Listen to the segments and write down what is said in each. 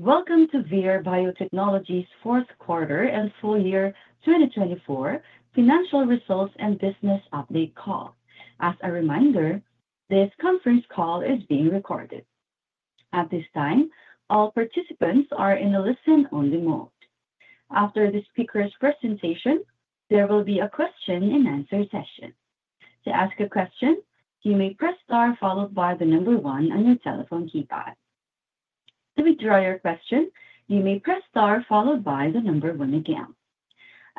Hello. Welcome to Vir Biotechnology's fourth quarter and full year 2024 financial results and business update call. As a reminder, this conference call is being recorded. At this time, all participants are in a listen-only mode. After the speaker's presentation, there will be a question-and-answer session. To ask a question, you may press star followed by the number one on your telephone keypad. To withdraw your question, you may press star followed by the number one again.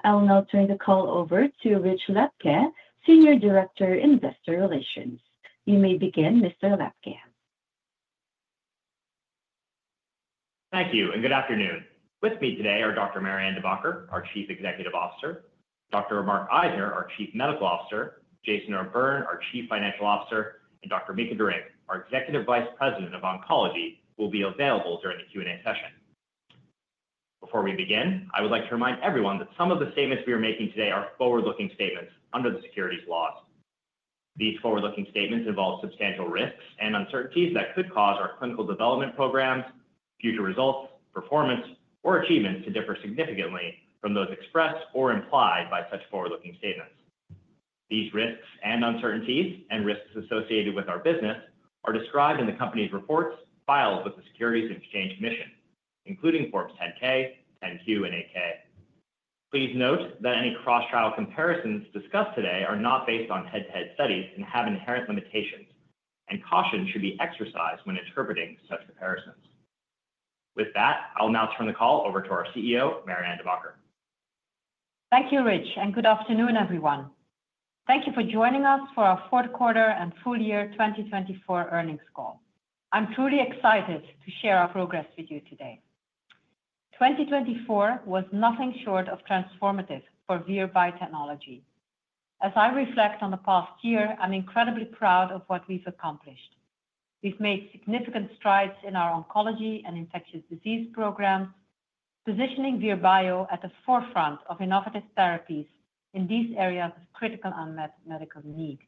I'll now turn the call over to Rich Lepke, Senior Director, Investor Relations. You may begin, Mr. Lepke. Thank you, and good afternoon. With me today are Dr. Marianne De Backer, our Chief Executive Officer, Dr. Mark Eisner, our Chief Medical Officer, Jason O'Byrne, our Chief Financial Officer, and Dr. Mika Derynck, our Executive Vice President of Oncology, who will be available during the Q&A session. Before we begin, I would like to remind everyone that some of the statements we are making today are forward-looking statements under the securities laws. These forward-looking statements involve substantial risks and uncertainties that could cause our clinical development programs, future results, performance, or achievements to differ significantly from those expressed or implied by such forward-looking statements. These risks and uncertainties and risks associated with our business are described in the company's reports filed with the Securities and Exchange Commission, including Forms 10-K, 10-Q, and 8-K. Please note that any cross-trial comparisons discussed today are not based on head-to-head studies and have inherent limitations, and caution should be exercised when interpreting such comparisons. With that, I'll now turn the call over to our Chief Executive Officer, Marianne De Backer. Thank you, Rich, and good afternoon, everyone. Thank you for joining us for our fourth quarter and full year 2024 earnings call. I'm truly excited to share our progress with you today. 2024 was nothing short of transformative for Vir Biotechnology. As I reflect on the past year, I'm incredibly proud of what we've accomplished. We've made significant strides in our oncology and infectious disease programs, positioning Vir Bio at the forefront of innovative therapies in these areas of critical unmet medical need.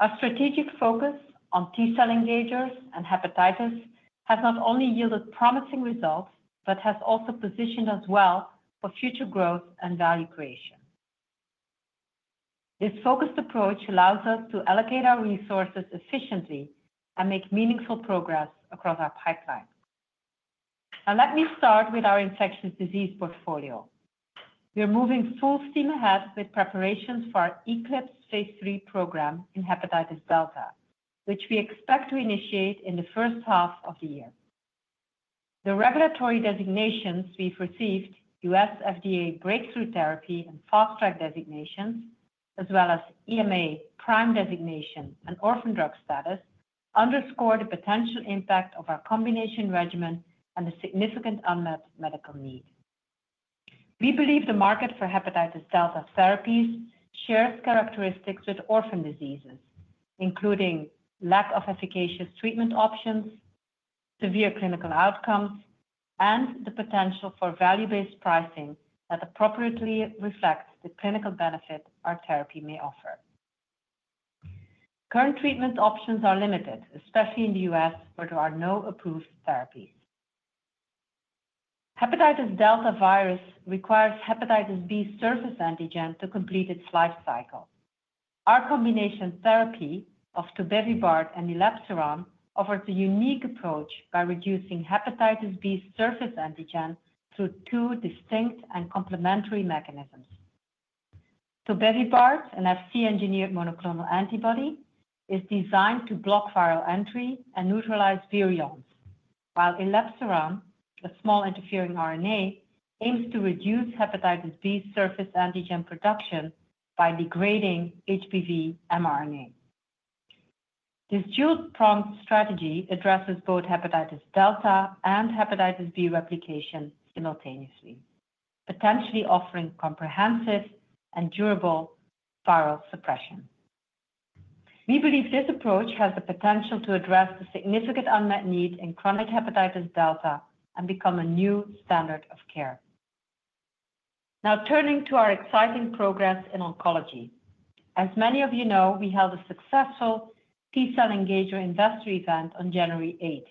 Our strategic focus on T-cell engagers and hepatitis has not only yielded promising results but has also positioned us well for future growth and value creation. This focused approach allows us to allocate our resources efficiently and make meaningful progress across our pipeline. Now, let me start with our infectious disease portfolio. We're moving full steam ahead with preparations for our ECLIPSE Phase III program in hepatitis Delta, which we expect to initiate in the first half of the year. The regulatory designations we've received, U.S. FDA Breakthrough Therapy and Fast Track designations, as well as EMA PRIME designation and orphan drug status, underscore the potential impact of our combination regimen and the significant unmet medical need. We believe the market for hepatitis Delta therapies shares characteristics with orphan diseases, including lack of efficacious treatment options, severe clinical outcomes, and the potential for value-based pricing that appropriately reflects the clinical benefit our therapy may offer. Current treatment options are limited, especially in the U.S., where there are no approved therapies. Hepatitis Delta virus requires hepatitis B surface antigen to complete its life cycle. Our combination therapy of tobevibart and elebsiran offers a unique approach by reducing hepatitis B surface antigen through two distinct and complementary mechanisms. tobevibart, an FC-engineered monoclonal antibody, is designed to block viral entry and neutralize virions, while elebsiran, a small interfering RNA, aims to reduce hepatitis B surface antigen production by degrading HBV mRNA. This dual-pronged strategy addresses both hepatitis delta and hepatitis B replication simultaneously, potentially offering comprehensive and durable viral suppression. We believe this approach has the potential to address the significant unmet need in chronic hepatitis delta and become a new standard of care. Now, turning to our exciting progress in oncology. As many of you know, we held a successful T-cell engager investor event on January 8.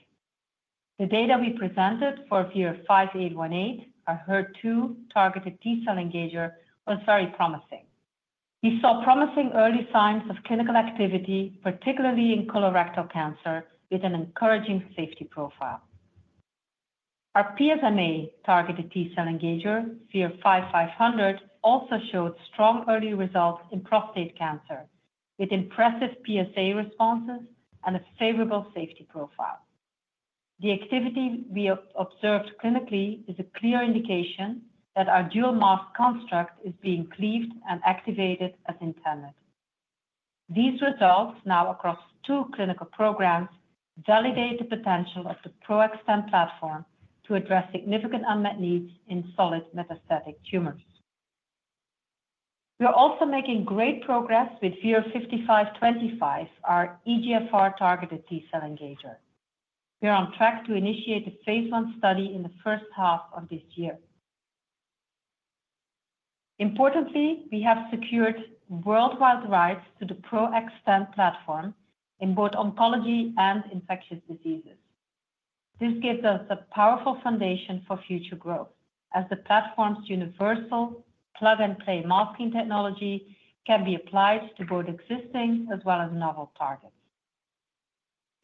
The data we presented for VIR-5818, our HER2-targeted T-cell engager, was very promising. We saw promising early signs of clinical activity, particularly in colorectal cancer, with an encouraging safety profile. Our PSMA-targeted T-cell engager, VIR-5500, also showed strong early results in prostate cancer, with impressive PSA responses and a favorable safety profile. The activity we observed clinically is a clear indication that our dual-mask construct is being cleaved and activated as intended. These results, now across two clinical programs, validate the potential of the PRO-XTEN platform to address significant unmet needs in solid metastatic tumors. We're also making great progress with VIR-5525, our EGFR-targeted T-cell engager. We're on track to initiate a phase 1 study in the first half of this year. Importantly, we have secured worldwide rights to the PRO-XTEN platform in both oncology and infectious diseases. This gives us a powerful foundation for future growth, as the platform's universal plug-and-play masking technology can be applied to both existing as well as novel targets.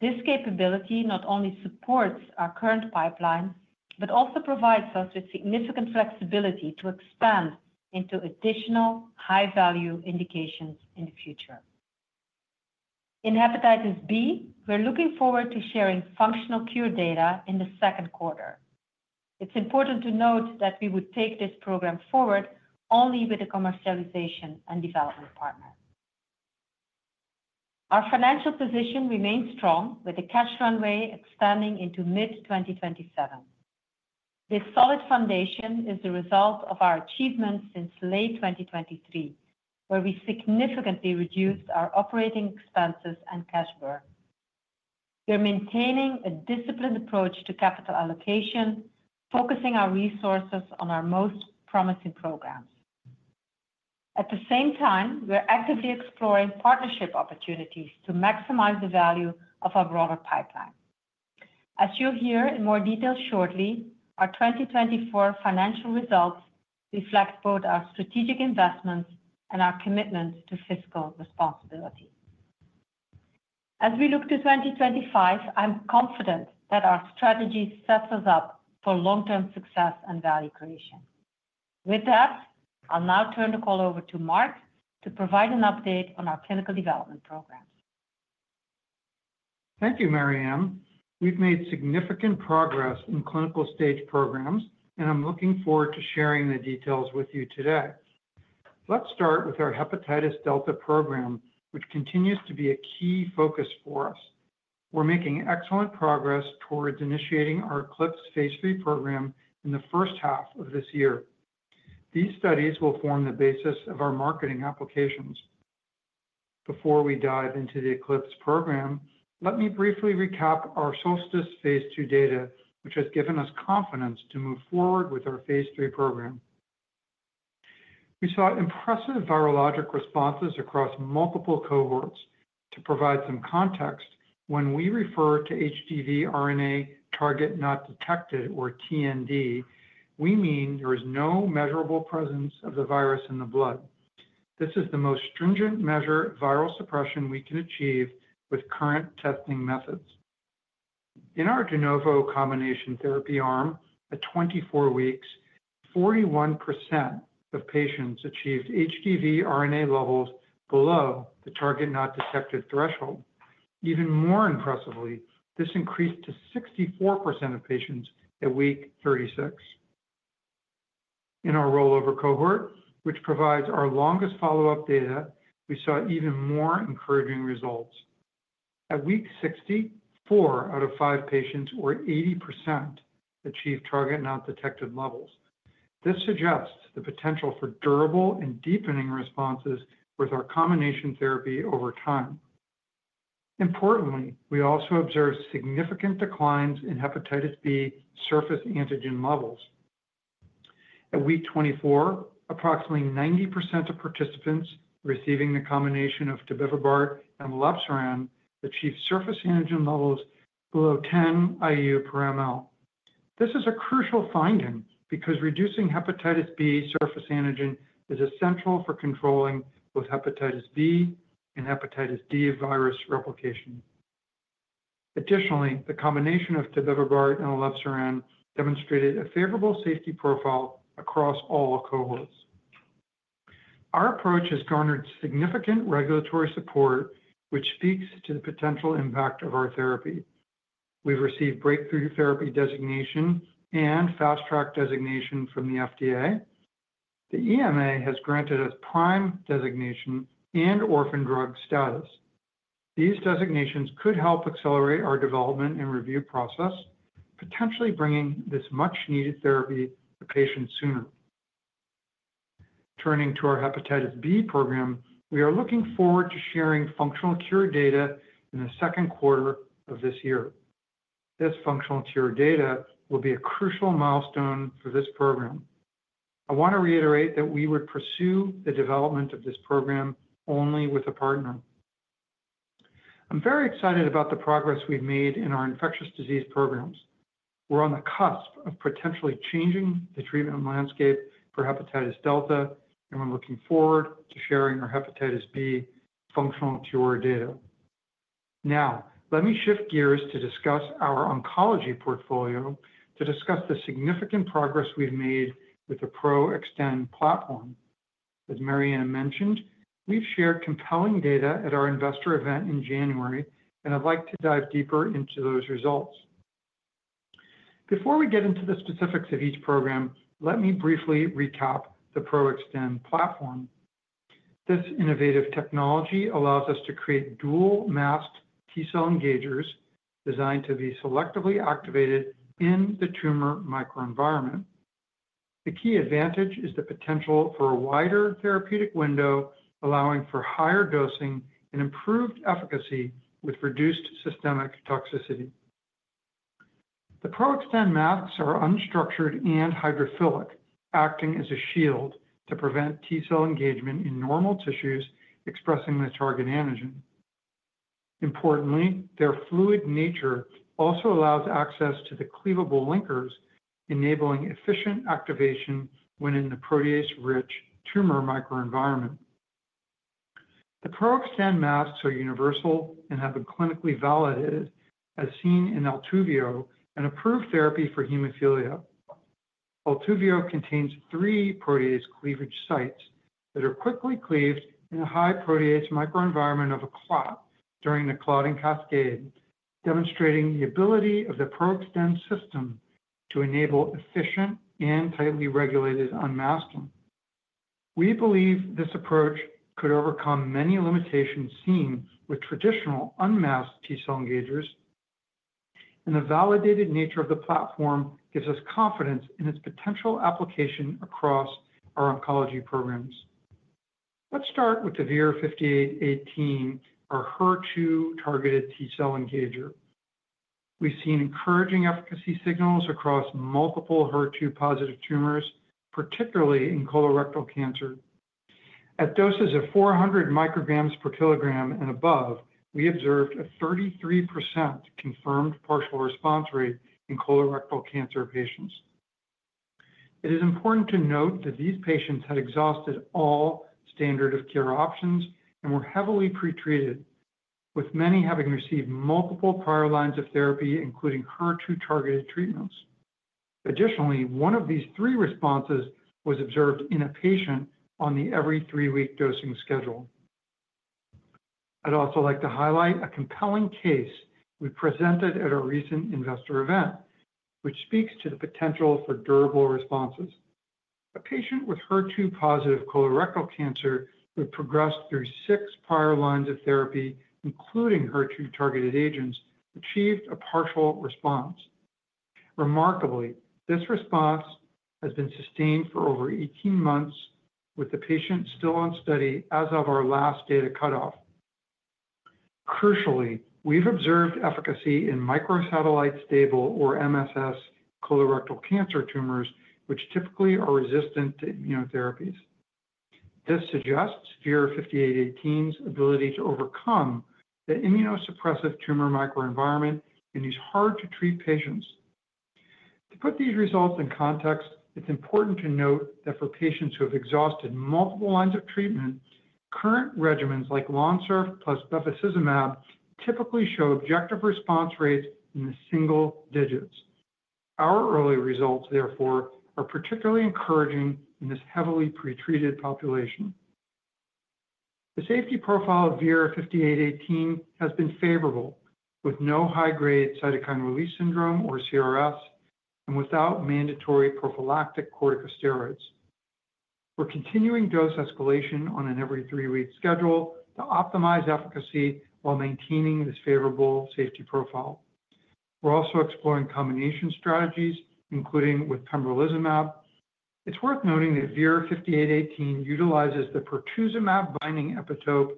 This capability not only supports our current pipeline but also provides us with significant flexibility to expand into additional high-value indications in the future. In hepatitis B, we're looking forward to sharing functional cure data in the second quarter. It's important to note that we would take this program forward only with a commercialization and development partner. Our financial position remains strong, with the cash runway extending into mid-2027. This solid foundation is the result of our achievements since late 2023, where we significantly reduced our operating expenses and cash burden. We're maintaining a disciplined approach to capital allocation, focusing our resources on our most promising programs. At the same time, we're actively exploring partnership opportunities to maximize the value of our broader pipeline. As you'll hear in more detail shortly, our 2024 financial results reflect both our strategic investments and our commitment to fiscal responsibility. As we look to 2025, I'm confident that our strategy sets us up for long-term success and value creation. With that, I'll now turn the call over to Mark to provide an update on our clinical development programs. Thank you, Marianne. We've made significant progress in clinical stage programs, and I'm looking forward to sharing the details with you today. Let's start with our hepatitis Delta program, which continues to be a key focus for us. We're making excellent progress towards initiating our ECLIPSE phase III program in the first half of this year. These studies will form the basis of our marketing applications. Before we dive into the ECLIPSE program, let me briefly recap our SOLSTICE phase II data, which has given us confidence to move forward with our phase III program. We saw impressive virologic responses across multiple cohorts. To provide some context, when we refer to HDV RNA target not detected, or TND, we mean there is no measurable presence of the virus in the blood. This is the most stringent measure of viral suppression we can achieve with current testing methods. In our de novo combination therapy arm, at 24 weeks, 41% of patients achieved HDV RNA levels below the target not detected threshold. Even more impressively, this increased to 64% of patients at week 36. In our rollover cohort, which provides our longest follow-up data, we saw even more encouraging results. At week 60, 4 out of 5 patients, or 80%, achieved target not detected levels. This suggests the potential for durable and deepening responses with our combination therapy over time. Importantly, we also observed significant declines in hepatitis B surface antigen levels. At week 24, approximately 90% of participants receiving the combination of tobevibart and elebsiran achieved surface antigen levels below 10 IU per mL. This is a crucial finding because reducing hepatitis B surface antigen is essential for controlling both hepatitis B and hepatitis D virus replication. Additionally, the combination of tobevibart and elebsiran demonstrated a favorable safety profile across all cohorts. Our approach has garnered significant regulatory support, which speaks to the potential impact of our therapy. We've received Breakthrough Therapy designation and Fast Track designation from the FDA. The EMA has granted us PRIME designation and orphan drug status. These designations could help accelerate our development and review process, potentially bringing this much-needed therapy to patients sooner. Turning to our hepatitis B program, we are looking forward to sharing functional cure data in the second quarter of this year. This functional cure data will be a crucial milestone for this program. I want to reiterate that we would pursue the development of this program only with a partner. I'm very excited about the progress we've made in our infectious disease programs. We're on the cusp of potentially changing the treatment landscape for hepatitis delta, and we're looking forward to sharing our hepatitis B functional cure data. Now, let me shift gears to discuss our oncology portfolio, to discuss the significant progress we've made with the PRO-XTEN platform. As Marianne mentioned, we've shared compelling data at our investor event in January, and I'd like to dive deeper into those results. Before we get into the specifics of each program, let me briefly recap the PRO-XTEN platform. This innovative technology allows us to create dual-masked T-cell engagers designed to be selectively activated in the tumor microenvironment. The key advantage is the potential for a wider therapeutic window, allowing for higher dosing and improved efficacy with reduced systemic toxicity. The PRO-XTEN masks are unstructured and hydrophilic, acting as a shield to prevent T-cell engagement in normal tissues expressing the target antigen. Importantly, their fluid nature also allows access to the cleavable linkers, enabling efficient activation when in the protease-rich tumor microenvironment. The PRO-XTEN masks are universal and have been clinically validated, as seen in Altuvio, an approved therapy for hemophilia. Altuvio contains three protease cleavage sites that are quickly cleaved in a high protease microenvironment of a clot during the clotting cascade, demonstrating the ability of the PRO-XTEN system to enable efficient and tightly regulated unmasking. We believe this approach could overcome many limitations seen with traditional unmasked T-cell engagers, and the validated nature of the platform gives us confidence in its potential application across our oncology programs. Let's start with the VIR-5818, our HER2-targeted T-cell engager. We've seen encouraging efficacy signals across multiple HER2-positive tumors, particularly in colorectal cancer. At doses of 400 micrograms per kilogram and above, we observed a 33% confirmed partial response rate in colorectal cancer patients. It is important to note that these patients had exhausted all standard of care options and were heavily pretreated, with many having received multiple prior lines of therapy, including HER2-targeted treatments. Additionally, one of these three responses was observed in a patient on the every-three-week dosing schedule. I'd also like to highlight a compelling case we presented at our recent investor event, which speaks to the potential for durable responses. A patient with HER2-positive colorectal cancer, who had progressed through six prior lines of therapy, including HER2-targeted agents, achieved a partial response. Remarkably, this response has been sustained for over 18 months, with the patient still on study as of our last data cutoff. Crucially, we've observed efficacy in microsatellite stable, or MSS, colorectal cancer tumors, which typically are resistant to immunotherapies. This suggests VIR-5818's ability to overcome the immunosuppressive tumor microenvironment in these hard-to-treat patients. To put these results in context, it's important to note that for patients who have exhausted multiple lines of treatment, current regimens like Lonsurf plus bevacizumab typically show objective response rates in the single digits. Our early results, therefore, are particularly encouraging in this heavily pretreated population. The safety profile of VIR-5818 has been favorable, with no high-grade cytokine release syndrome or CRS, and without mandatory prophylactic corticosteroids. We're continuing dose escalation on an every-three-week schedule to optimize efficacy while maintaining this favorable safety profile. We're also exploring combination strategies, including with pembrolizumab. It's worth noting that VIR-5818 utilizes the pertuzumab-binding epitope,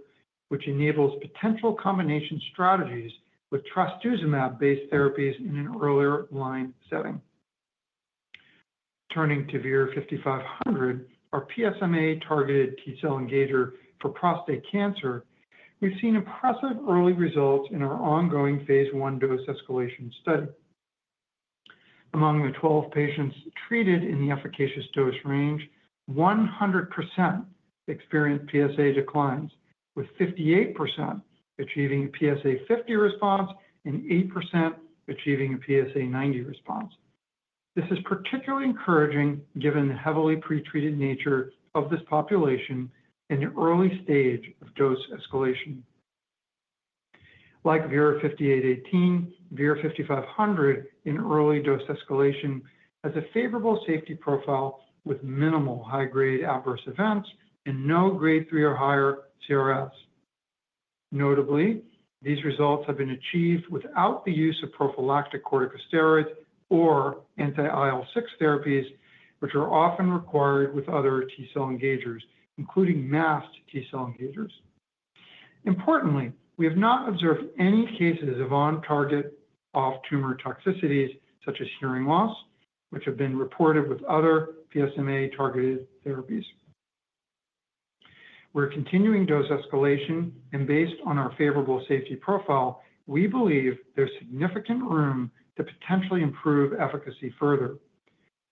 which enables potential combination strategies with trastuzumab-based therapies in an earlier line setting. Turning to VIR-5500, our PSMA-targeted T-cell engager for prostate cancer, we've seen impressive early results in our ongoing phase 1 dose escalation study. Among the 12 patients treated in the efficacious dose range, 100% experienced PSA declines, with 58% achieving a PSA 50 response and 8% achieving a PSA 90 response. This is particularly encouraging given the heavily pretreated nature of this population in the early stage of dose escalation. Like VIR-5818, VIR-5500 in early dose escalation has a favorable safety profile with minimal high-grade adverse events and no grade 3 or higher CRS. Notably, these results have been achieved without the use of prophylactic corticosteroids or anti-IL-6 therapies, which are often required with other T-cell engagers, including masked T-cell engagers. Importantly, we have not observed any cases of on-target off-tumor toxicities, such as hearing loss, which have been reported with other PSMA-targeted therapies. We're continuing dose escalation, and based on our favorable safety profile, we believe there's significant room to potentially improve efficacy further.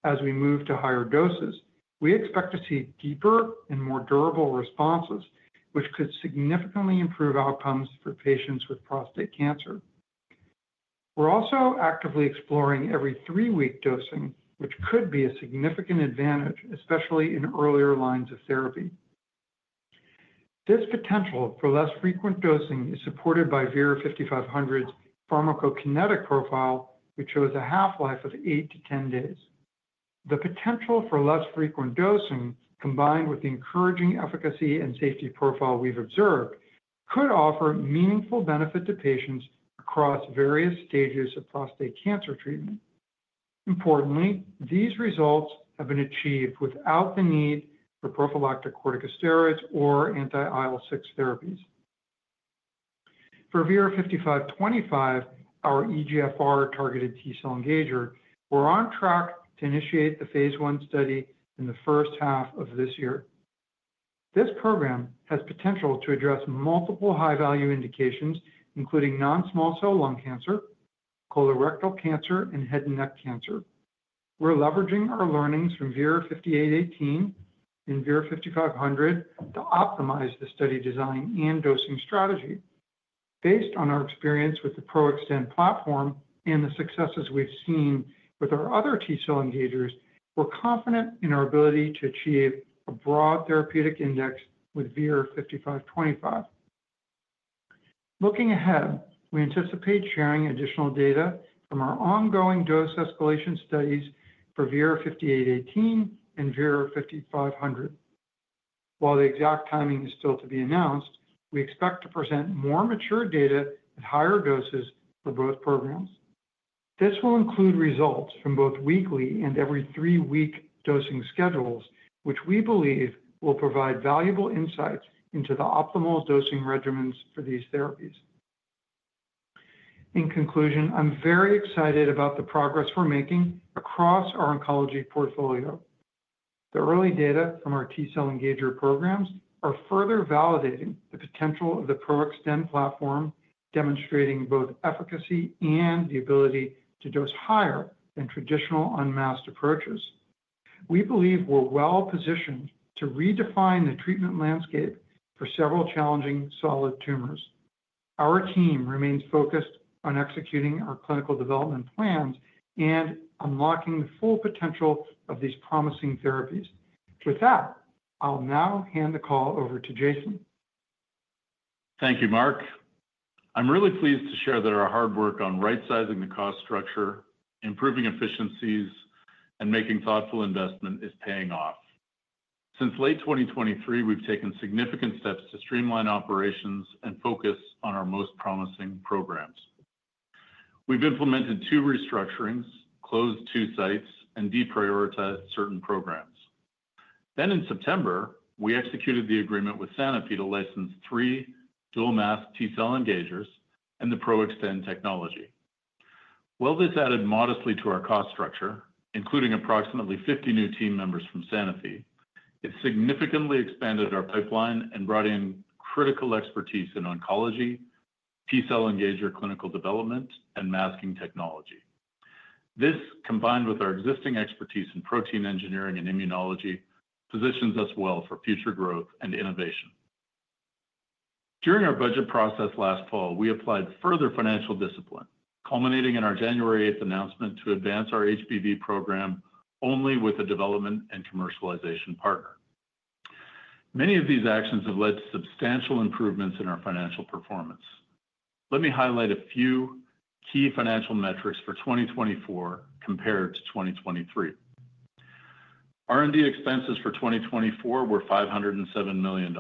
As we move to higher doses, we expect to see deeper and more durable responses, which could significantly improve outcomes for patients with prostate cancer. We're also actively exploring every three-week dosing, which could be a significant advantage, especially in earlier lines of therapy. This potential for less frequent dosing is supported by VIR-5500's pharmacokinetic profile, which shows a half-life of eight to 10 days. The potential for less frequent dosing, combined with the encouraging efficacy and safety profile we've observed, could offer meaningful benefit to patients across various stages of prostate cancer treatment. Importantly, these results have been achieved without the need for prophylactic corticosteroids or anti-IL-6 therapies. For VIR-5525, our EGFR-targeted T-cell engager, we're on track to initiate the phase one study in the first half of this year. This program has potential to address multiple high-value indications, including non-small cell lung cancer, colorectal cancer, and head and neck cancer. We're leveraging our learnings from VIR-5818 and VIR-5500 to optimize the study design and dosing strategy. Based on our experience with the Pro-XTEN platform and the successes we've seen with our other T-cell engagers, we're confident in our ability to achieve a broad therapeutic index with VIR-5525. Looking ahead, we anticipate sharing additional data from our ongoing dose escalation studies for VIR-5818 and VIR-5500. While the exact timing is still to be announced, we expect to present more mature data at higher doses for both programs. This will include results from both weekly and every three-week dosing schedules, which we believe will provide valuable insights into the optimal dosing regimens for these therapies. In conclusion, I'm very excited about the progress we're making across our oncology portfolio. The early data from our T-cell engager programs are further validating the potential of the PRO-XTEN platform, demonstrating both efficacy and the ability to dose higher than traditional unmasked approaches. We believe we're well positioned to redefine the treatment landscape for several challenging solid tumors. Our team remains focused on executing our clinical development plans and unlocking the full potential of these promising therapies. With that, I'll now hand the call over to Jason. Thank you, Mark. I'm really pleased to share that our hard work on right-sizing the cost structure, improving efficiencies, and making thoughtful investment is paying off. Since late 2023, we've taken significant steps to streamline operations and focus on our most promising programs. We've implemented two restructurings, closed two sites, and deprioritized certain programs. Then, in September, we executed the agreement with Sanofi to license three dual-mask T-cell engagers and the Pro-XTEN technology. While this added modestly to our cost structure, including approximately 50 new team members from Sanofi, it significantly expanded our pipeline and brought in critical expertise in oncology, T-cell engager clinical development, and masking technology. This, combined with our existing expertise in protein engineering and immunology, positions us well for future growth and innovation. During our budget process last fall, we applied further financial discipline, culminating in our January 8 announcement to advance our HBV program only with a development and commercialization partner. Many of these actions have led to substantial improvements in our financial performance. Let me highlight a few key financial metrics for 2024 compared to 2023. R&D expenses for 2024 were $507 million,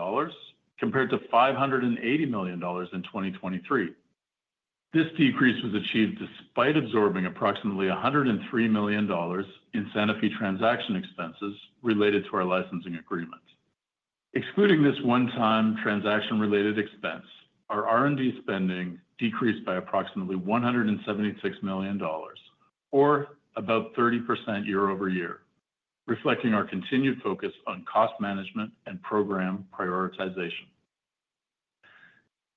compared to $580 million in 2023. This decrease was achieved despite absorbing approximately $103 million in Sanofi transaction expenses related to our licensing agreement. Excluding this one-time transaction-related expense, our R&D spending decreased by approximately $176 million, or about 30% year-over-year, reflecting our continued focus on cost management and program prioritization.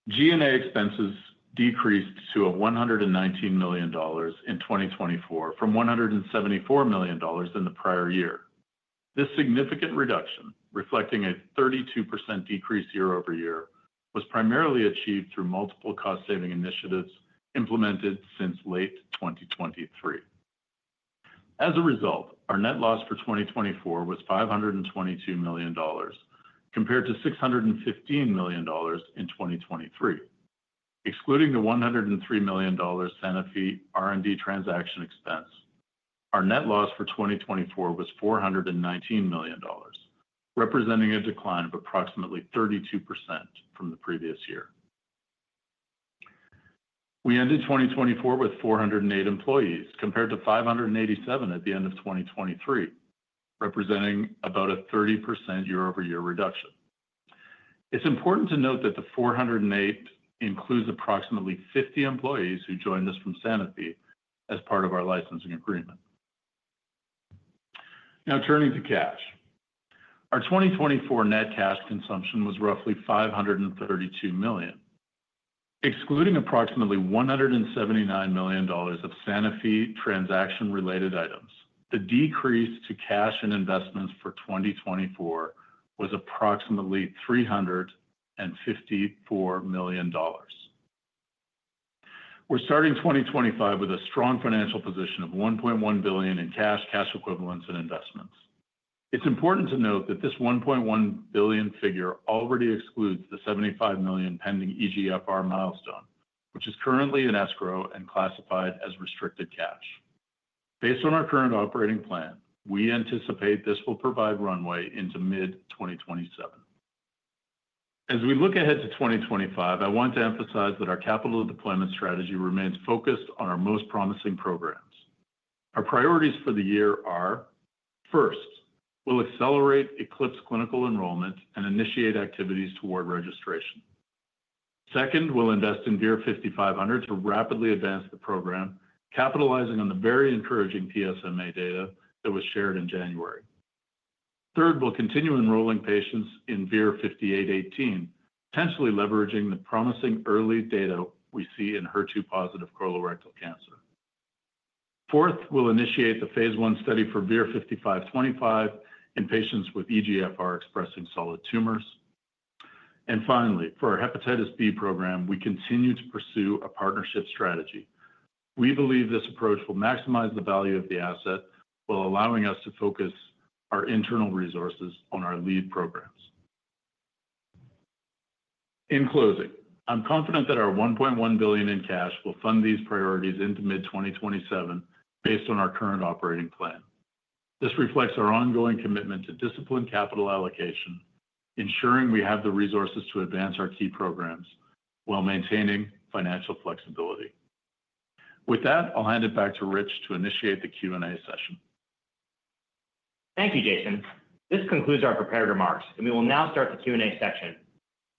G&A expenses decreased to $119 million in 2024 from $174 million in the prior year. This significant reduction, reflecting a 32% decrease year-over-year, was primarily achieved through multiple cost-saving initiatives implemented since late 2023. As a result, our net loss for 2024 was $522 million, compared to $615 million in 2023. Excluding the $103 million Sanofi R&D transaction expense, our net loss for 2024 was $419 million, representing a decline of approximately 32% from the previous year. We ended 2024 with 408 employees, compared to 587 at the end of 2023, representing about a 30% year-over-year reduction. It's important to note that the 408 includes approximately 50 employees who joined us from Sanofi as part of our licensing agreement. Now, turning to cash. Our 2024 net cash consumption was roughly $532 million. Excluding approximately $179 million of Sanofi transaction-related items, the decrease to cash and investments for 2024 was approximately $354 million. We're starting 2025 with a strong financial position of $1.1 billion in cash, cash equivalents, and investments. It's important to note that this $1.1 billion figure already excludes the $75 million pending EGFR milestone, which is currently in escrow and classified as restricted cash. Based on our current operating plan, we anticipate this will provide runway into mid-2027. As we look ahead to 2025, I want to emphasize that our capital deployment strategy remains focused on our most promising programs. Our priorities for the year are, first, we'll accelerate Eclipse clinical enrollment and initiate activities toward registration. Second, we'll invest in VIR-5500 to rapidly advance the program, capitalizing on the very encouraging PSMA data that was shared in January. Third, we'll continue enrolling patients in VIR-5818, potentially leveraging the promising early data we see in HER2-positive colorectal cancer. Fourth, we'll initiate the phase one study for VIR-5525 in patients with EGFR-expressing solid tumors. And finally, for our hepatitis B program, we continue to pursue a partnership strategy. We believe this approach will maximize the value of the asset while allowing us to focus our internal resources on our lead programs. In closing, I'm confident that our $1.1 billion in cash will fund these priorities into mid-2027 based on our current operating plan. This reflects our ongoing commitment to disciplined capital allocation, ensuring we have the resources to advance our key programs while maintaining financial flexibility. With that, I'll hand it back to Rich to initiate the Q&A session. Thank you, Jason. This concludes our prepared remarks, and we will now start the Q&A section.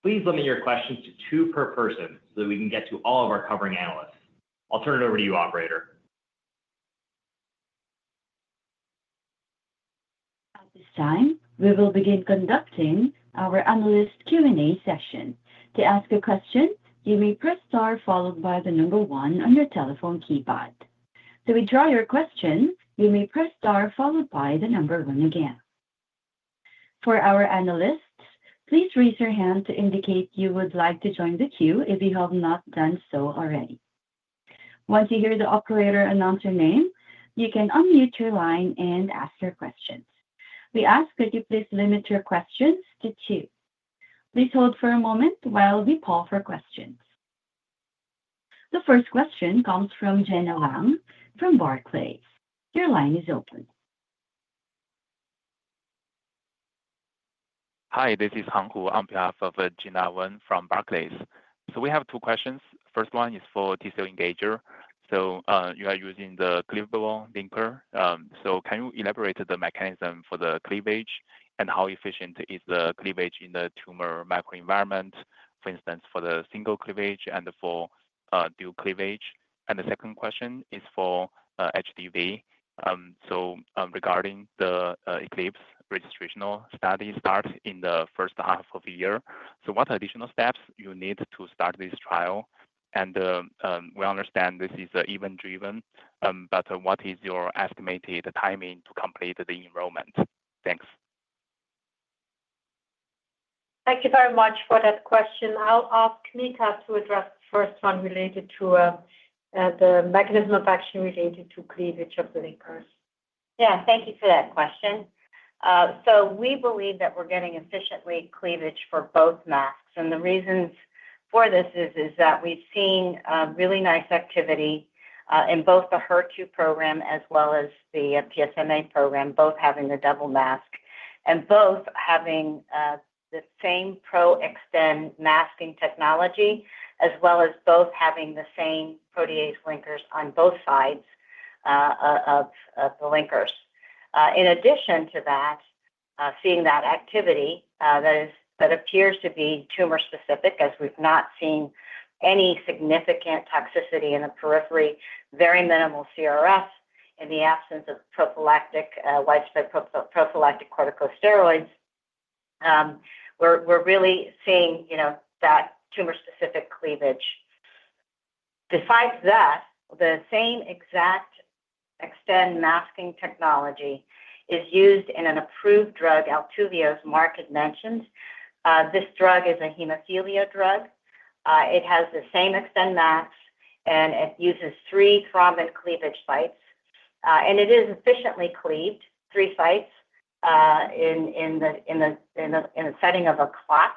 Please limit your questions to two per person so that we can get to all of our covering analysts. I'll turn it over to you, Operator. At this time, we will begin conducting our analyst Q&A session. To ask a question, you may press star followed by the number one on your telephone keypad. To withdraw your question, you may press star followed by the number one again. For our analysts, please raise your hand to indicate you would like to join the queue if you have not done so already. Once you hear the Operator announce your name, you can unmute your line and ask your questions. We ask that you please limit your questions to two. Please hold for a moment while we call for questions. The first question comes from Gena Wang from Barclays. Your line is open. Hi, this is Hang Hu. I'm on behalf of Gena Wang from Barclays. So we have two questions. First one is for T-cell engager. So you are using the cleavable linker. So can you elaborate the mechanism for the cleavage and how efficient is the cleavage in the tumor microenvironment, for instance, for the single cleavage and for dual cleavage? And the second question is for HDV. So, regarding the Eclipse registrational study start in the first half of the year, so what additional steps do you need to start this trial? And we understand this is event-driven, but what is your estimated timing to complete the enrollment? Thanks. Thank you very much for that question. I'll ask Mika to address the first one related to the mechanism of action related to cleavage of the linkers. Yeah, thank you for that question. So we believe that we're getting efficiently cleavage for both masks. And the reasons for this is that we've seen really nice activity in both the HER2 program as well as the PSMA program, both having the double mask and both having the same Pro-XTEN masking technology as well as both having the same protease linkers on both sides of the linkers. In addition to that, seeing that activity that appears to be tumor-specific, as we've not seen any significant toxicity in the periphery, very minimal CRS in the absence of widespread prophylactic corticosteroids, we're really seeing that tumor-specific cleavage. Besides that, the same exact Pro-XTEN masking technology is used in an approved drug, Altuvio, as marketed. This drug is a hemophilia drug. It has the same Pro-XTEN mask, and it uses three thrombin cleavage sites. And it is efficiently cleaved, three sites in the setting of a clot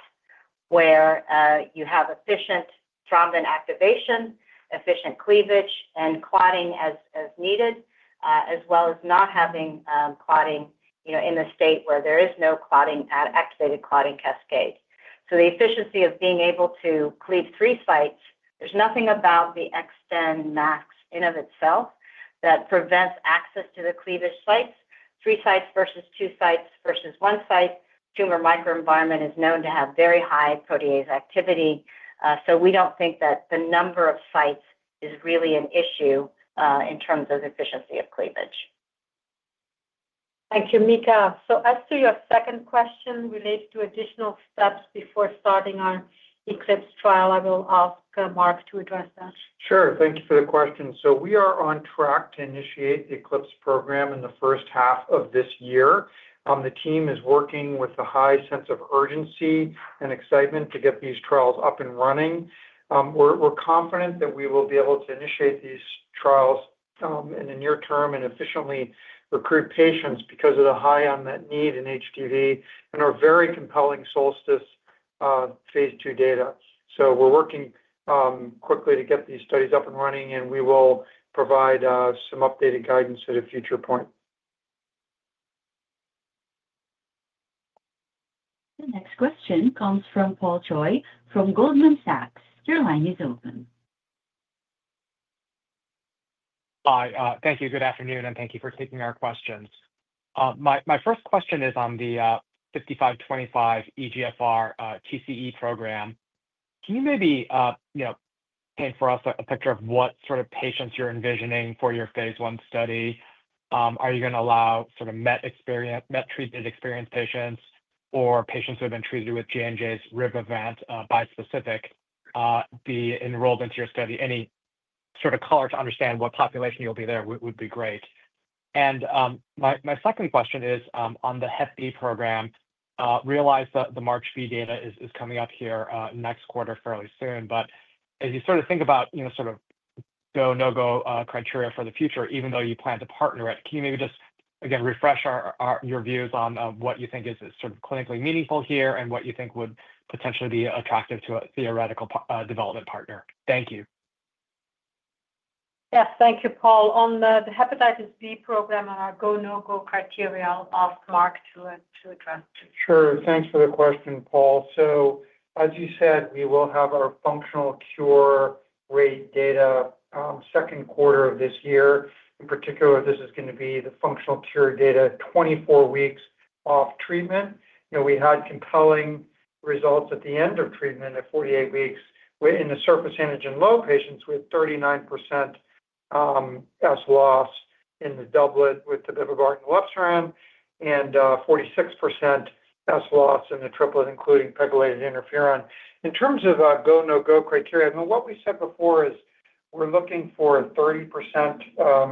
where you have efficient thrombin activation, efficient cleavage, and clotting as needed, as well as not having clotting in the state where there is no activated clotting cascade. So the efficiency of being able to cleave three sites, there's nothing about the Pro-XTEN mask in and of itself that prevents access to the cleavage sites. Three sites versus two sites versus one site, tumor microenvironment is known to have very high protease activity. So we don't think that the number of sites is really an issue in terms of efficiency of cleavage. Thank you, Mika. So as to your second question related to additional steps before starting our Eclipse trial, I will ask Mark to address that. Sure. Thank you for the question. So we are on track to initiate the Eclipse program in the first half of this year. The team is working with a high sense of urgency and excitement to get these trials up and running. We're confident that we will be able to initiate these trials in the near term and efficiently recruit patients because of the high unmet need in HDV and our very compelling Solstice phase 2 data. So we're working quickly to get these studies up and running, and we will provide some updated guidance at a future point. The next question comes from Paul Choi from Goldman Sachs. Your line is open. Hi. Thank you. Good afternoon, and thank you for taking our questions. My first question is on the VIR-5525 EGFR TCE program. Can you maybe paint for us a picture of what sort of patients you're envisioning for your phase one study? Are you going to allow sort of previously treated, experienced patients or patients who have been treated with J&J's Rybrevant bispecific be enrolled into your study? Any sort of color to understand what population you'll be targeting would be great. And my second question is on the Hep B program. I realize that the Phase 3 data is coming up here next quarter fairly soon. But as you sort of think about sort of go, no-go criteria for the future, even though you plan to partner it, can you maybe just, again, refresh your views on what you think is sort of clinically meaningful here and what you think would potentially be attractive to a theoretical development partner? Thank you. Yes, thank you, Paul. On the hepatitis B program and our go, no-go criteria, I'll ask Mark to address. Sure. Thanks for the question, Paul. So as you said, we will have our functional cure rate data second quarter of this year. In particular, this is going to be the functional cure data 24 weeks off treatment. We had compelling results at the end of treatment at 48 weeks in the surface antigen low patients with 39% S loss in the doublet with the tobevibart and the elebsiran, and 46% S loss in the triplet, including pegylated interferon. In terms of go, no-go criteria, what we said before is we're looking for a 30%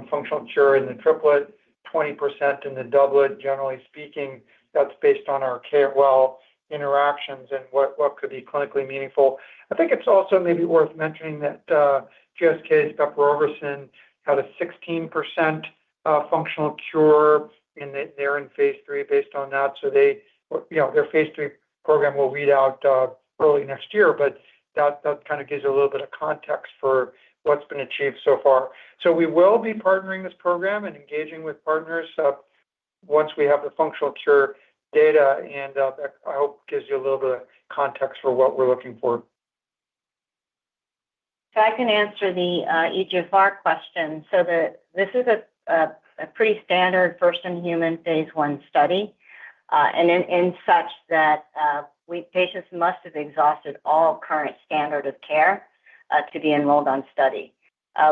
functional cure in the triplet, 20% in the doublet. Generally speaking, that's based on our KOL interactions and what could be clinically meaningful. I think it's also maybe worth mentioning that GSK's bepirovirsen had a 16% functional cure, and they're in phase 3 based on that. So their phase 3 program will read out early next year, but that kind of gives you a little bit of context for what's been achieved so far. So we will be partnering this program and engaging with partners once we have the functional cure data, and I hope it gives you a little bit of context for what we're looking for. So I can answer the EGFR question. So this is a pretty standard first-in-human phase one study, and in such that patients must have exhausted all current standard of care to be enrolled on study,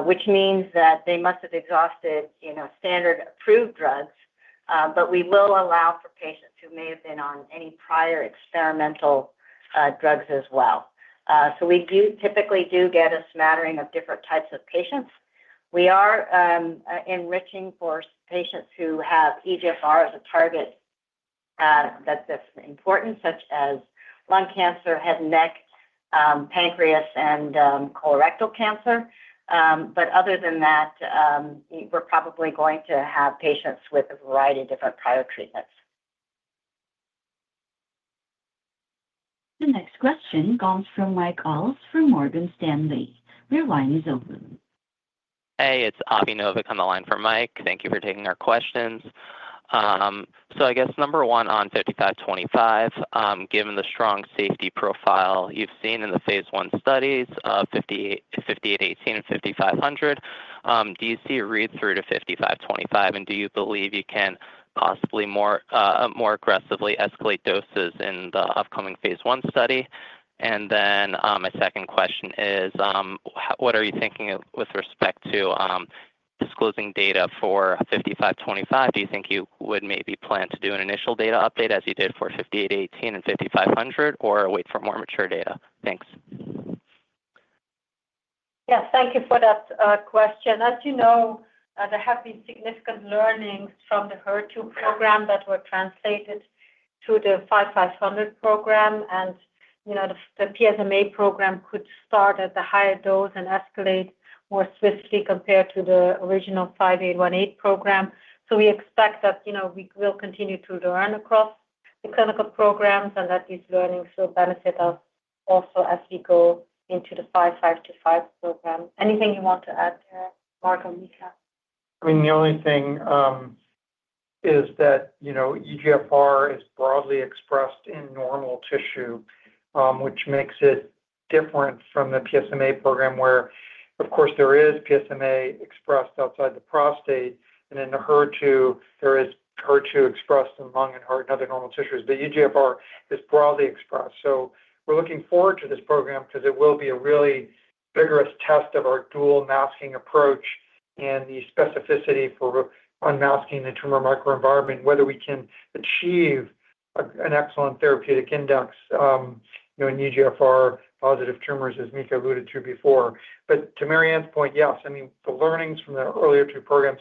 which means that they must have exhausted standard-approved drugs, but we will allow for patients who may have been on any prior experimental drugs as well. So we typically do get a smattering of different types of patients. We are enriching for patients who have EGFR as a target that's important, such as lung cancer, head and neck, pancreas, and colorectal cancer. But other than that, we're probably going to have patients with a variety of different prior treatments. The next question comes from Mike Ulz from Morgan Stanley. Your line is open. Hey, it's Avi Novick on the line from Mike. Thank you for taking our questions. So I guess number one on 5525, given the strong safety profile you've seen in the phase one studies of 5818 and 5500, do you see a read through to 5525, and do you believe you can possibly more aggressively escalate doses in the upcoming phase one study? And then my second question is, what are you thinking with respect to disclosing data for 5525? Do you think you would maybe plan to do an initial data update as you did for 5818 and 5500, or wait for more mature data? Thanks. Yes, thank you for that question. As you know, there have been significant learnings from the HER2 program that were translated to the 5500 program. The PSMA program could start at the higher dose and escalate more swiftly compared to the original 5818 program. We expect that we will continue to learn across the clinical programs and that these learnings will benefit us also as we go into the 5525 program. Anything you want to add there, Mark or Mika? I mean, the only thing is that EGFR is broadly expressed in normal tissue, which makes it different from the PSMA program where, of course, there is PSMA expressed outside the prostate. In the HER2, there is HER2 expressed in lung and heart and other normal tissues. EGFR is broadly expressed. So we're looking forward to this program because it will be a really vigorous test of our dual masking approach and the specificity for unmasking the tumor microenvironment, whether we can achieve an excellent therapeutic index in EGFR-positive tumors, as Mika alluded to before. But to Marianne's point, yes. I mean, the learnings from the earlier two programs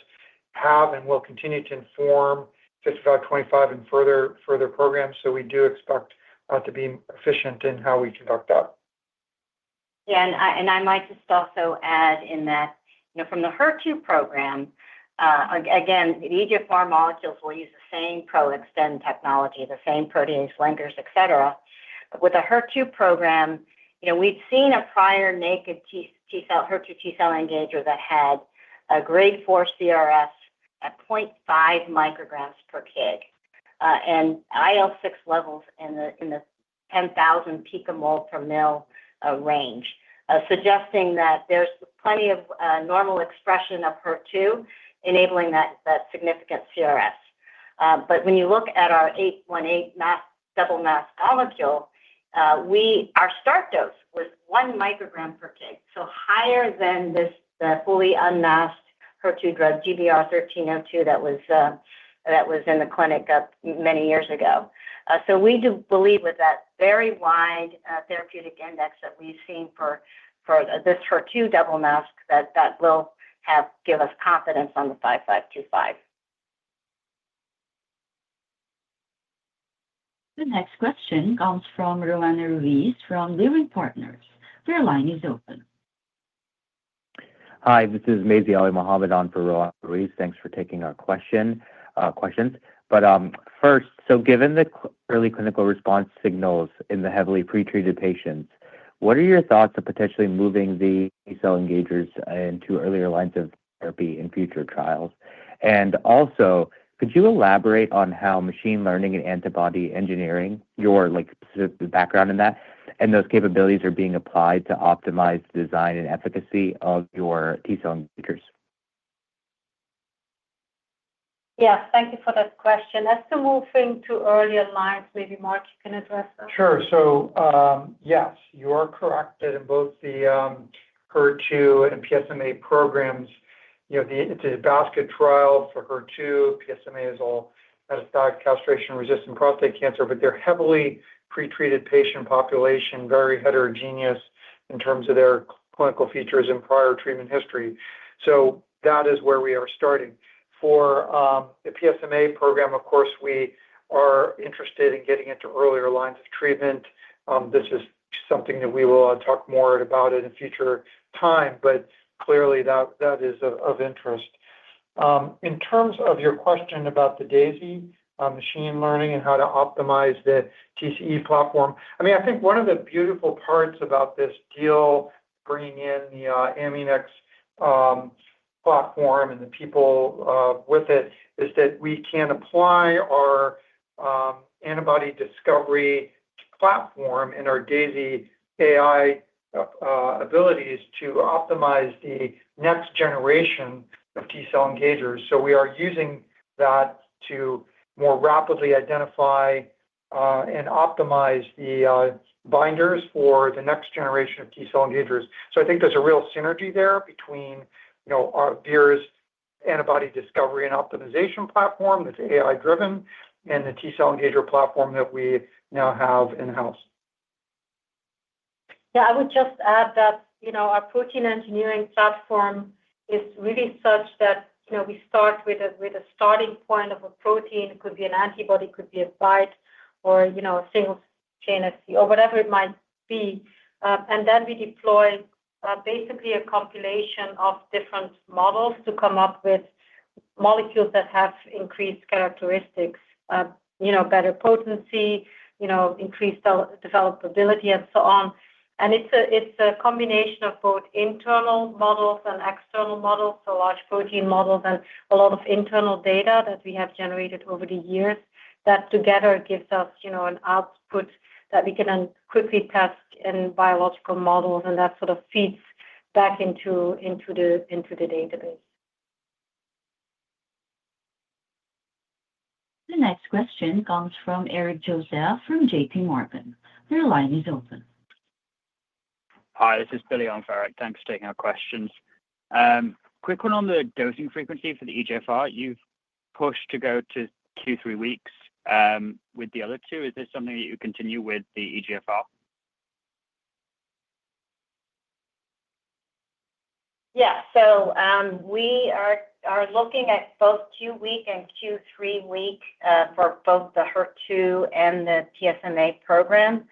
have and will continue to inform 5525 and further programs. So we do expect to be efficient in how we conduct that. Yeah. And I might just also add in that from the HER2 program, again, the EGFR molecules will use the same Pro-XTEN technology, the same protease linkers, etc. But with the HER2 program, we've seen a prior naked HER2 T-cell engager that had a grade 4 CRS at 0.5 micrograms per kg and IL-6 levels in the 10,000 picomole per mL range, suggesting that there's plenty of normal expression of HER2 enabling that significant CRS. But when you look at our 818 double mask molecule, our start dose was one microgram per kg, so higher than the fully unmasked HER2 drug, GBR1302, that was in the clinic many years ago. So we do believe with that very wide therapeutic index that we've seen for this HER2 double mask that will give us confidence on the 5525. The next question comes from Roanna Ruiz from Leerink Partners. Your line is open. Hi. This is Maizi Ali-Mohamed for Roanna Ruiz. Thanks for taking our questions. But first, so given the early clinical response signals in the heavily pretreated patients, what are your thoughts on potentially moving the T-cell engagers into earlier lines of therapy in future trials? And also, could you elaborate on how machine learning and antibody engineering, your specific background in that, and those capabilities are being applied to optimize the design and efficacy of your T-cell engagers? Yeah. Thank you for that question. As to moving to earlier lines, maybe Mark you can address that. Sure. So yes, you are correct that in both the HER2 and PSMA programs, it is a basket trial for HER2. PSMA is all metastatic castration-resistant prostate cancer, but they are a heavily pretreated patient population, very heterogeneous in terms of their clinical features and prior treatment history. So that is where we are starting. For the PSMA program, of course, we are interested in getting into earlier lines of treatment. This is something that we will talk more about in future time, but clearly that is of interest. In terms of your question about the DAISY machine learning and how to optimize the TCE platform, I mean, I think one of the beautiful parts about this deal bringing in the Amunix platform and the people with it is that we can apply our antibody discovery platform and our DAISY AI abilities to optimize the next generation of T-cell engagers. So we are using that to more rapidly identify and optimize the binders for the next generation of T-cell engagers. So I think there's a real synergy there between VIR's antibody discovery and optimization platform that's AI-driven and the T-cell engager platform that we now have in-house. Yeah.I would just add that our protein engineering platform is really such that we start with a starting point of a protein. It could be an antibody, could be a binder, or a single chain Fv, or whatever it might be. And then we deploy basically a compilation of different models to come up with molecules that have increased characteristics, better potency, increased developability, and so on. And it's a combination of both internal models and external models, so large protein models and a lot of internal data that we have generated over the years that together gives us an output that we can then quickly test in biological models, and that sort of feeds back into the database. The next question comes from Eric Joseph from J.P. Morgan. Your line is open. Hi. This is Billy on for Eric. Thanks for taking our questions. Quick one on the dosing frequency for the EGFR. You've pushed to go to two, three weeks with the other two. Is this something that you continue with the EGFR? Yeah. So we are looking at both two-week and two-three-week for both the HER2 and the PSMA program,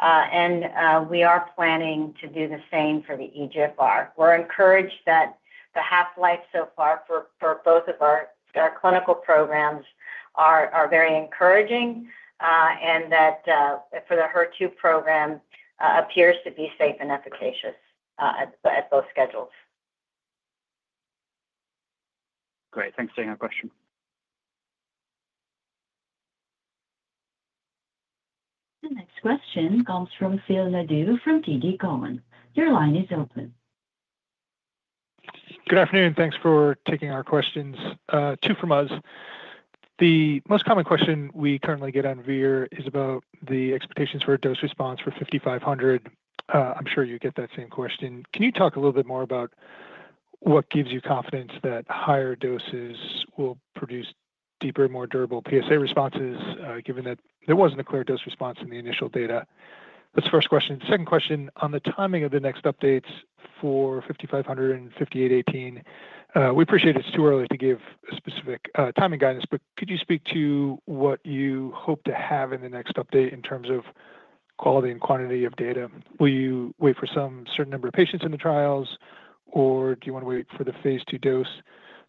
and we are planning to do the same for the EGFR. We're encouraged that the half-life so far for both of our clinical programs are very encouraging and that for the HER2 program, it appears to be safe and efficacious at both schedules. Great. Thanks for taking our question. The next question comes from Phil Nadeau from TD Cowen. Your line is open. Good afternoon. Thanks for taking our questions. Two from us. The most common question we currently get on VIR is about the expectations for dose response for 5500. I'm sure you get that same question. Can you talk a little bit more about what gives you confidence that higher doses will produce deeper, more durable PSA responses, given that there wasn't a clear dose response in the initial data? That's the first question. Second question, on the timing of the next updates for 5500 and 5818, we appreciate it's too early to give specific timing guidance, but could you speak to what you hope to have in the next update in terms of quality and quantity of data? Will you wait for some certain number of patients in the trials, or do you want to wait for the phase two dose?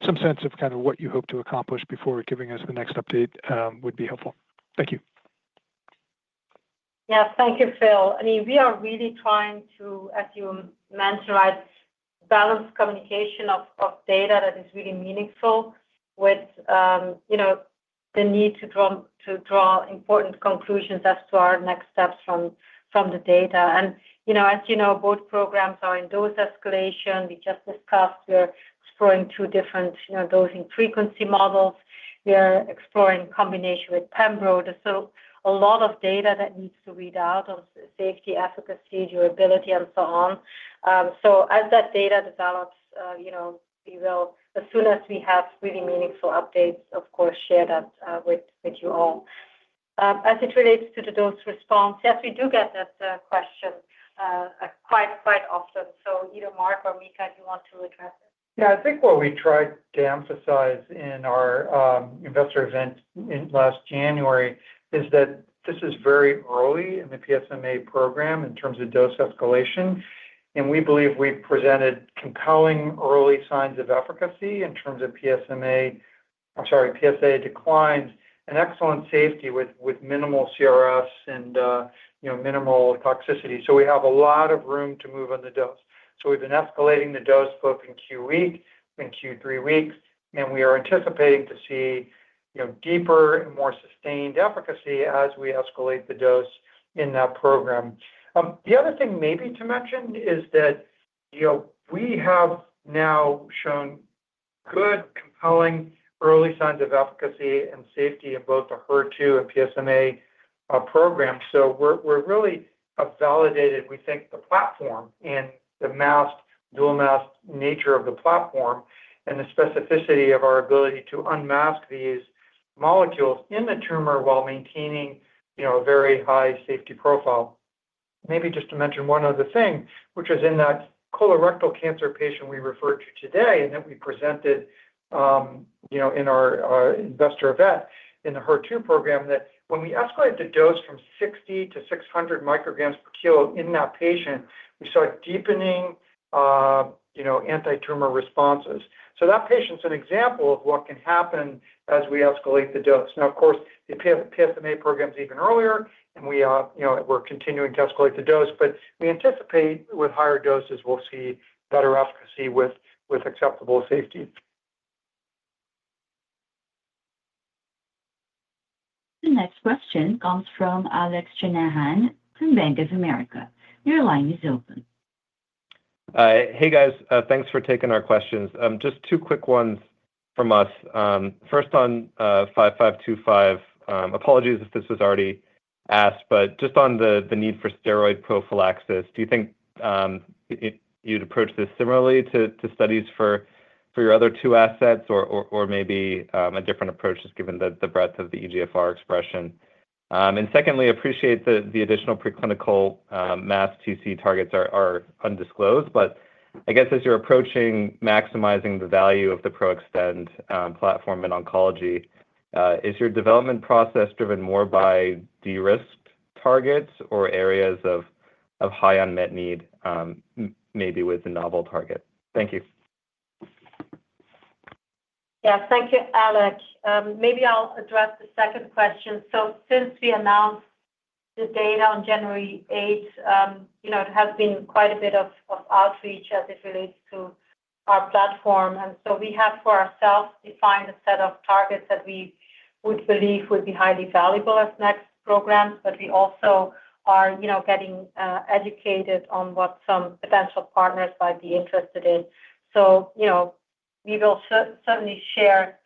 Some sense of kind of what you hope to accomplish before giving us the next update would be helpful. Thank you. Yeah. Thank you, Phil. I mean, we are really trying to, as you mentioned, right, balance communication of data that is really meaningful with the need to draw important conclusions as to our next steps from the data, and as you know, both programs are in dose escalation. We just discussed we're exploring two different dosing frequency models. We are exploring combination with Pembro. There's a lot of data that needs to read out on safety, efficacy, durability, and so on, so as that data develops, we will, as soon as we have really meaningful updates, of course, share that with you all. As it relates to the dose response, yes, we do get that question quite often. So either Mark or Mika, do you want to address it? Yeah.I think what we tried to emphasize in our investor event last January is that this is very early in the PSMA program in terms of dose escalation, and we believe we've presented compelling early signs of efficacy in terms of PSMA, I'm sorry, PSA declines, and excellent safety with minimal CRFs and minimal toxicity, so we have a lot of room to move on the dose, so we've been escalating the dose both in two weeks and two three weeks, and we are anticipating to see deeper and more sustained efficacy as we escalate the dose in that program. The other thing maybe to mention is that we have now shown good, compelling early signs of efficacy and safety in both the HER2 and PSMA program. So we're really a validated, we think the platform and the masked, dual masked nature of the platform and the specificity of our ability to unmask these molecules in the tumor while maintaining a very high safety profile. Maybe just to mention one other thing, which is in that colorectal cancer patient we referred to today and that we presented in our investor event in the HER2 program, that when we escalate the dose from 60 to 600 micrograms per kilo in that patient, we saw deepening anti-tumor responses. So that patient's an example of what can happen as we escalate the dose. Now, of course, the PSMA program's even earlier, and we're continuing to escalate the dose, but we anticipate with higher doses, we'll see better efficacy with acceptable safety. The next question comes from Alec Stranahan from Bank of America. Your line is open. Hey, guys. Thanks for taking our questions. Just two quick ones from us. First on 5525, apologies if this was already asked, but just on the need for steroid prophylaxis, do you think you'd approach this similarly to studies for your other two assets or maybe a different approach just given the breadth of the EGFR expression? And secondly, appreciate the additional preclinical masked TC targets are undisclosed, but I guess as you're approaching maximizing the value of the Pro-XTEN platform in oncology, is your development process driven more by de-risked targets or areas of high unmet need maybe with a novel target? Thank you. Yeah. Thank you, Alec. Maybe I'll address the second question. So since we announced the data on January 8th, it has been quite a bit of outreach as it relates to our platform. And so we have for ourselves defined a set of targets that we would believe would be highly valuable as next programs, but we also are getting educated on what some potential partners might be interested in. So we will certainly share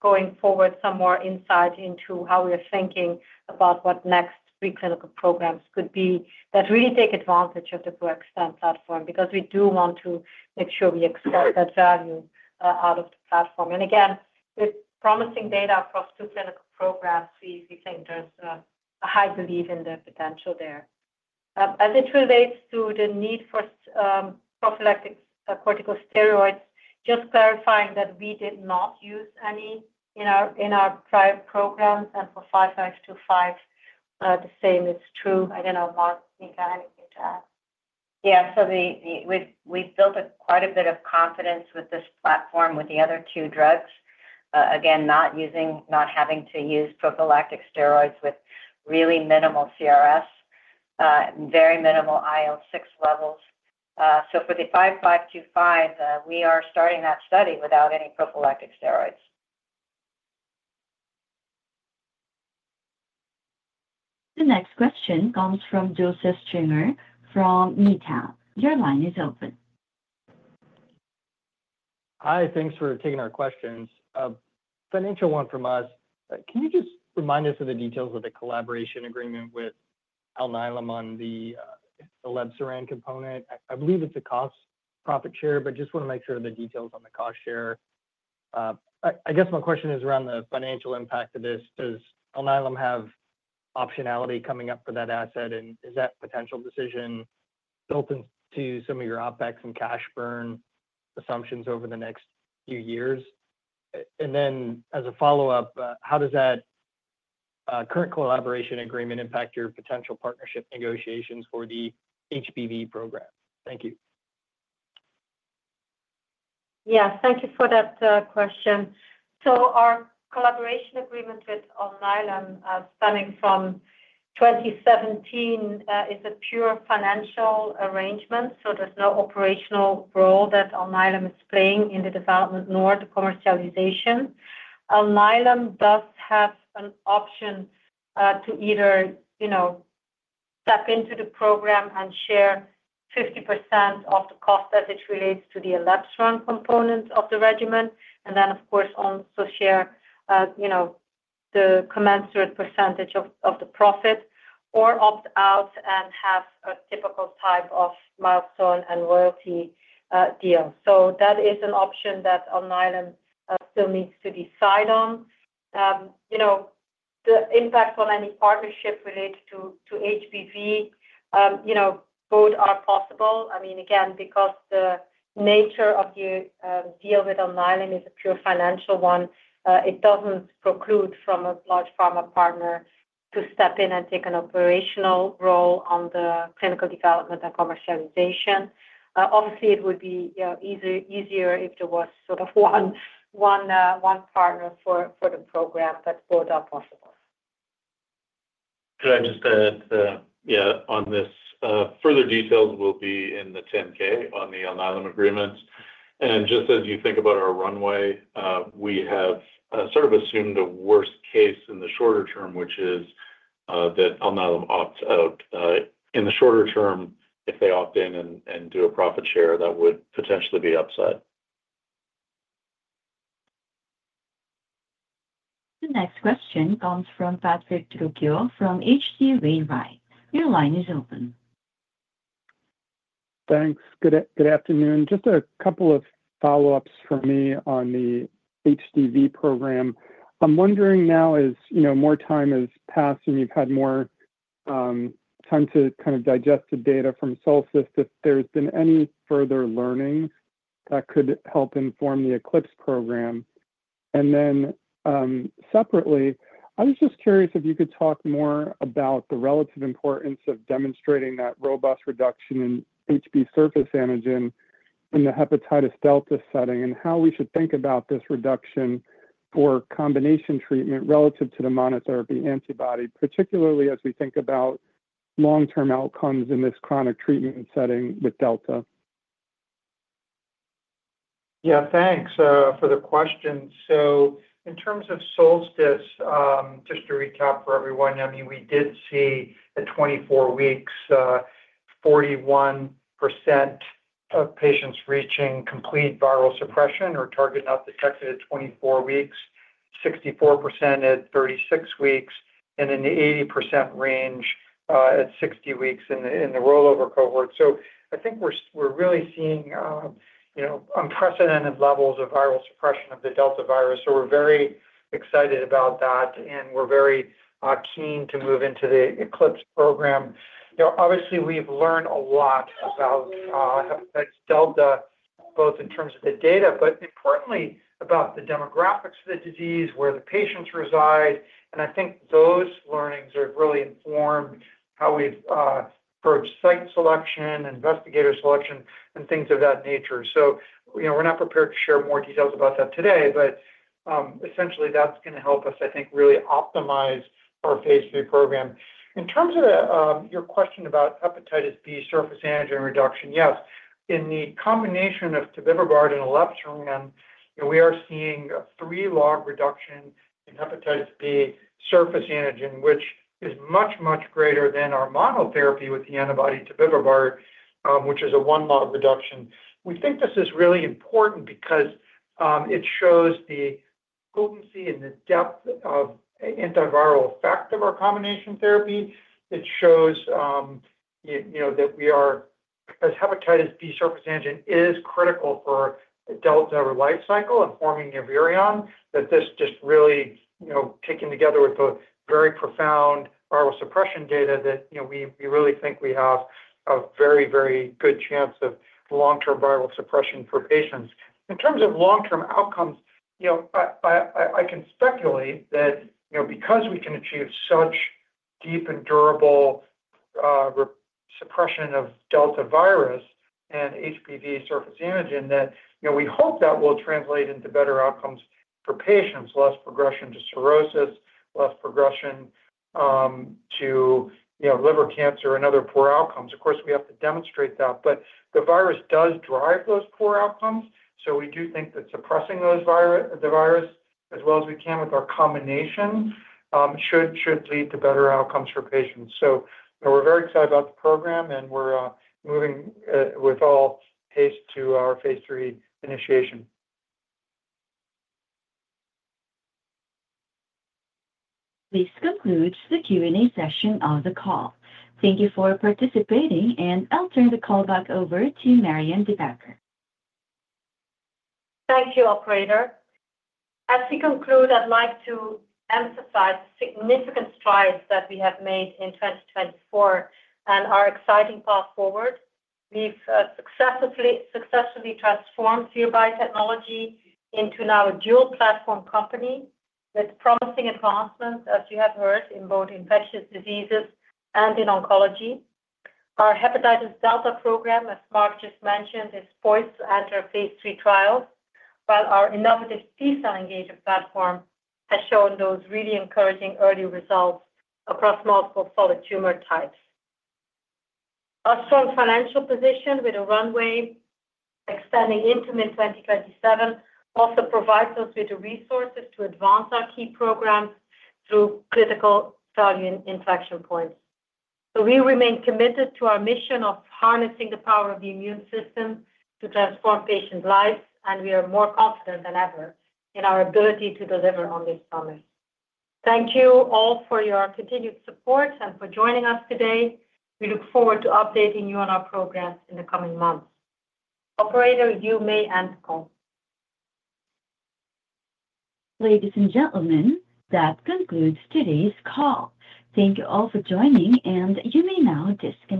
going forward some more insight into how we're thinking about what next preclinical programs could be that really take advantage of the Pro-XTEN platform because we do want to make sure we extract that value out of the platform. And again, with promising data across two clinical programs, we think there's a high belief in the potential there. As it relates to the need for prophylactic corticosteroids, just clarifying that we did not use any in our prior programs, and for 5525, the same is true. I don't know, Mark, Mika, anything to add? Yeah.So we've built quite a bit of confidence with this platform with the other two drugs, again, not having to use prophylactic steroids with really minimal CRS and very minimal IL-6 levels. So for the 5525, we are starting that study without any prophylactic steroids. The next question comes from Joseph Stringer from Needham. Your line is open. Hi. Thanks for taking our questions. Financial one from us. Can you just remind us of the details of the collaboration agreement with Alnylam on the elebsiran component? I believe it's a cost profit share, but just want to make sure of the details on the cost share. I guess my question is around the financial impact of this. Does Alnylam have optionality coming up for that asset, and is that potential decision built into some of your OpEx and cash burn assumptions over the next few years? Then as a follow-up, how does that current collaboration agreement impact your potential partnership negotiations for the HBV program? Thank you. Yeah. Thank you for that question. Our collaboration agreement with Alnylam stemming from 2017 is a pure financial arrangement, so there's no operational role that Alnylam is playing in the development nor the commercialization. Alnylam does have an option to either step into the program and share 50% of the cost as it relates to the elebsiran component of the regimen, and then, of course, also share the commensurate percentage of the profit or opt out and have a typical type of milestone and royalty deal. That is an option that Alnylam still needs to decide on. The impact on any partnership related to HBV, both are possible. I mean, again, because the nature of the deal with Alnylam is a pure financial one, it doesn't preclude from a large pharma partner to step in and take an operational role on the clinical development and commercialization. Obviously, it would be easier if there was sort of one partner for the program, but both are possible. Could I just add, yeah, on this? Further details will be in the 10-K on the Alnylam agreement. And just as you think about our runway, we have sort of assumed a worst case in the shorter term, which is that Alnylam opts out. In the shorter term, if they opt in and do a profit share, that would potentially be upside. The next question comes from Patrick Trucchio from H.C. Wainwright & Co. Your line is open. Thanks. Good afternoon. Just a couple of follow-ups for me on the HDV program. I'm wondering now, as more time has passed and you've had more time to kind of digest the data from Solstice, if there's been any further learning that could help inform the Eclipse program. And then separately, I was just curious if you could talk more about the relative importance of demonstrating that robust reduction in HBsAg in the hepatitis delta setting and how we should think about this reduction for combination treatment relative to the monotherapy antibody, particularly as we think about long-term outcomes in this chronic treatment setting with delta. Yeah. Thanks for the question. So in terms of Solstice, just to recap for everyone, I mean, we did see at 24 weeks, 41% of patients reaching complete viral suppression or target not detected at 24 weeks, 64% at 36 weeks, and in the 80% range at 60 weeks in the rollover cohort. I think we're really seeing unprecedented levels of viral suppression of the delta virus, so we're very excited about that, and we're very keen to move into the ECLIPSE program. Obviously, we've learned a lot about hepatitis delta, both in terms of the data, but importantly, about the demographics of the disease, where the patients reside. And I think those learnings have really informed how we've approached site selection, investigator selection, and things of that nature. So we're not prepared to share more details about that today, but essentially, that's going to help us, I think, really optimize our Phase 3 program. In terms of your question about hepatitis B surface antigen reduction, yes. In the combination of Tobevibart and elebsiran, we are seeing a three-log reduction in hepatitis B surface antigen, which is much, much greater than our monotherapy with the antibody Tobevibart, which is a one-log reduction. We think this is really important because it shows the potency and the depth of antiviral effect of our combination therapy. It shows that we are, as hepatitis B surface antigen is critical for delta life cycle and forming a virion, that this just really, taken together with the very profound viral suppression data that we really think we have a very, very good chance of long-term viral suppression for patients. In terms of long-term outcomes, I can speculate that because we can achieve such deep and durable suppression of delta virus and HBV surface antigen, that we hope that will translate into better outcomes for patients, less progression to cirrhosis, less progression to liver cancer, and other poor outcomes. Of course, we have to demonstrate that, but the virus does drive those poor outcomes. So we do think that suppressing the virus as well as we can with our combination should lead to better outcomes for patients. So we're very excited about the program, and we're moving with all haste to our phase three initiation. This concludes the Q&A session of the call. Thank you for participating, and I'll turn the call back over to Marianne De Backer. Thank you, Operator. As we conclude, I'd like to emphasize the significant strides that we have made in 2024 and our exciting path forward. We've successfully transformed Vir Biotechnology into now a dual-platform company with promising advancements, as you have heard, in both infectious diseases and in oncology. Our hepatitis delta program, as Mark just mentioned, is poised to enter phase three trials, while our innovative T-cell engagement platform has shown those really encouraging early results across multiple solid tumor types. Our strong financial position with a runway extending into mid-2027 also provides us with the resources to advance our key programs through critical value inflection points. So we remain committed to our mission of harnessing the power of the immune system to transform patients' lives, and we are more confident than ever in our ability to deliver on this promise. Thank you all for your continued support and for joining us today. We look forward to updating you on our programs in the coming months. Operator, you may end the call. Ladies and gentlemen, that concludes today's call. Thank you all for joining, and you may now disconnect.